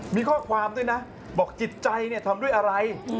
มีข้อความด้วยนะบอกจิตใจเนี่ยทำด้วยอะไร